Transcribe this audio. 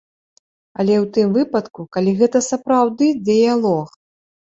Але ў тым выпадку, калі гэта сапраўды дыялог.